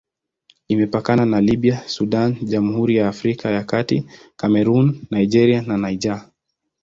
Imepakana na Libya, Sudan, Jamhuri ya Afrika ya Kati, Kamerun, Nigeria na Niger.